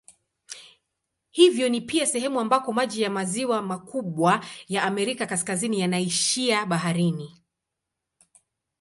Hivyo ni pia sehemu ambako maji ya maziwa makubwa ya Amerika Kaskazini yanaishia baharini.